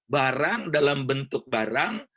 barang dalam bentuk barang